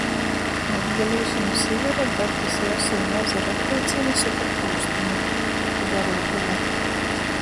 Latgalīši nu Sivera, Dagdys i Osyuna azaru apleicīnis soka Pūstine, ar garū ū.